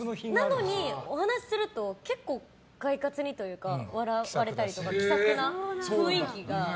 なのにお話しすると結構快活にというか笑われたりとか気さくな雰囲気が。